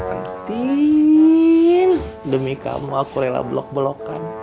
entin demi kamu aku rela blok blokan